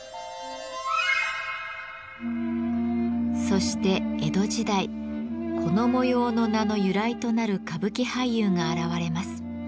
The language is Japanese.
そして江戸時代この模様の名の由来となる歌舞伎俳優が現れます。